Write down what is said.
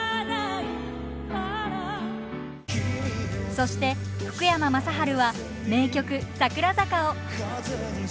そして福山雅治は名曲「桜坂」を。